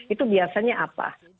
itu biasanya apa